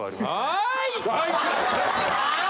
はい！